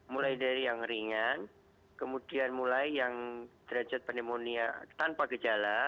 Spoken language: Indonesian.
mulai dari yang ringan kemudian mulai yang derajat pneumonia tanpa gejala